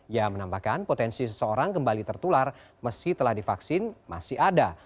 ia menambahkan potensi seseorang kembali tertular meski telah divaksin masih ada